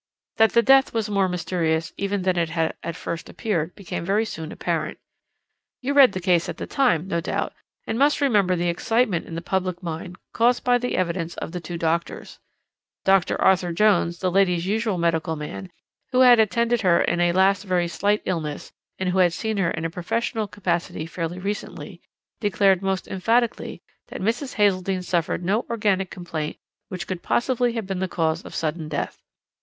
"That the death was more mysterious even than it had at first appeared became very soon apparent. You read the case at the time, no doubt, and must remember the excitement in the public mind caused by the evidence of the two doctors. Dr. Arthur Jones, the lady's usual medical man, who had attended her in a last very slight illness, and who had seen her in a professional capacity fairly recently, declared most emphatically that Mrs. Hazeldene suffered from no organic complaint which could possibly have been the cause of sudden death.